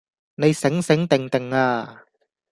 你醒醒定定呀